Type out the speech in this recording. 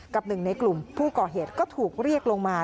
หนึ่งในกลุ่มผู้ก่อเหตุก็ถูกเรียกลงมา